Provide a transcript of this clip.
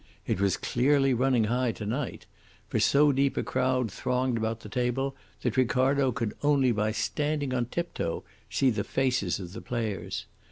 It was clearly running high to night. For so deep a crowd thronged about the table that Ricardo could only by standing on tiptoe see the faces of the players.